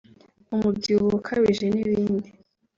umubyibuho ukabije n’ibindi